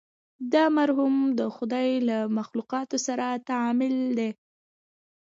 دا محور د خدای له مخلوقاتو سره تعامل دی.